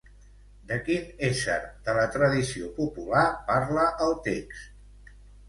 De quin ésser de la tradició popular parla el text?